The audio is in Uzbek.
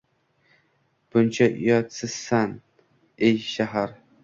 Buncha uyatsizsan, ey, Shahar?